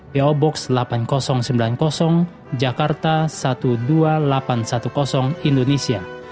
po box delapan ribu sembilan puluh jakarta dua belas ribu delapan ratus sepuluh indonesia